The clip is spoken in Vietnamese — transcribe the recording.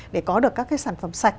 để có được các cái sản phẩm sạch